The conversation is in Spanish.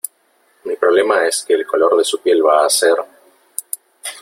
mi problema es que el color de su piel va a ser